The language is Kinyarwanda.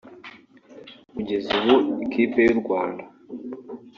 Kugeza ubu ikipe y’u Rwanda